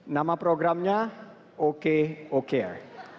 nama programnya ok okr